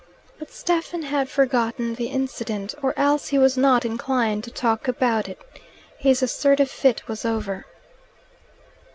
But Stephen had forgotten the incident, or else he was not inclined to talk about it. His assertive fit was over.